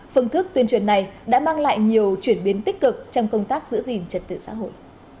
phương thức tuyên truyền này đã mang lại nhiều chuyển biến tích cực trong công tác giữ gìn trật tự xã hội